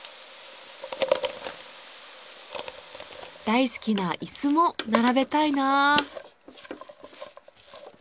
大好きな椅子も並べたいなあ。